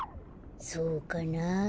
そうかなあ。